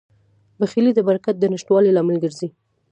بخیلي د برکت د نشتوالي لامل کیږي.